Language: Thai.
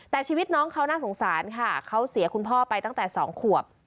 แต่ชีวิตน้องเขาน่าสงสารค่ะเขาเสียคุณพ่อไปตั้งแต่๒ขวบ